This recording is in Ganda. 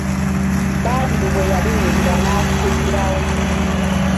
Badru bwe yabiwulira n'asitukirawo.